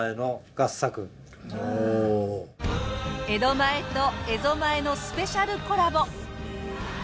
江戸前と蝦夷前のスペシャルコラボ。